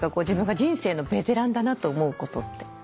自分が人生のベテランだなと思うことって。